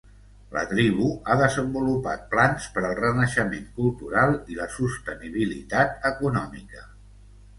La tribu ha desenvolupat plans per al renaixement cultural i la sostenibilitat econòmica.